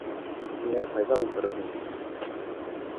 Миңә ҡайҙа ултырырға?